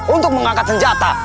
untuk mengangkat senjata